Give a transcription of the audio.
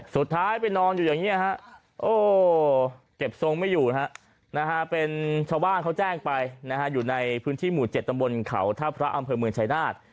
สุดท้ายไปนอนอยู่อย่างนี้เก็บทรงไม่อยู่เป็นชาวบ้านเขาแจ้งไปอยู่ในพื้นที่หมู่๗ตำบลเขาท่าพระอำเภอเมืองชายนาฏ